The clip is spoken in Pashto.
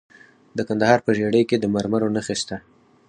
د کندهار په ژیړۍ کې د مرمرو نښې شته.